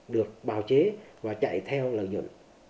được bào chế và chạy theo lợi dụng